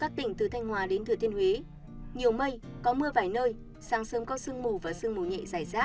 tỉnh từ thanh hòa đến thừa thiên huế nhiều mây có mưa vài nơi sáng sớm có sương mù và sương mù nhẹ dài rác